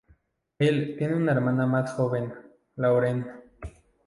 Él tiene una hermana más joven, Lauren.